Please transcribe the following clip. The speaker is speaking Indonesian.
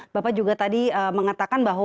bapak juga tadi mengatakan bahwa